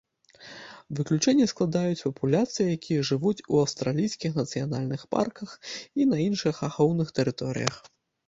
Выключэнне складаюць папуляцыі, якія жывуць у аўстралійскіх нацыянальных парках і на іншых ахоўных тэрыторыях.